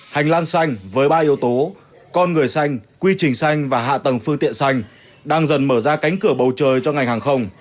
hành lang xanh với ba yếu tố con người xanh quy trình xanh và hạ tầng phương tiện xanh đang dần mở ra cánh cửa bầu trời cho ngành hàng không